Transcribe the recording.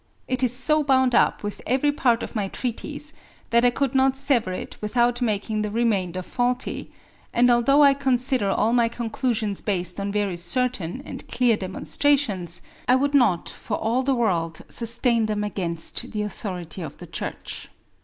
It is so bound up with every part of my treatise that I could not sever it without making the remainder faulty; and although I consider all my conclusions based on very certain and clear demonstrations, I would not for all the world sustain them against the authority of the Church.'"